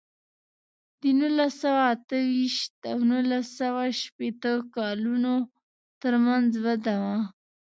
د نولس سوه اته ویشت او نولس سوه شپېته کلونو ترمنځ وده وه.